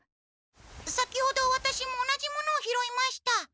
先ほどワタシも同じものをひろいました。